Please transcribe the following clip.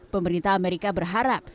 pemerintah amerika berharap